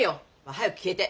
早く消えて。